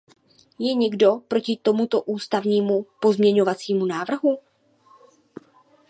Je někdo proti tomuto ústnímu pozměňovacímu návrhu?